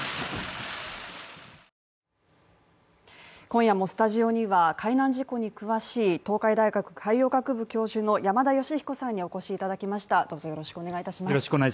今夜もスタジオには海難事故に詳しい東海大学海洋学部教授の山田吉彦さんにお越しいただきました。